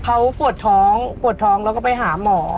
เขาหวดท้องแล้วก็ไปหาหมอ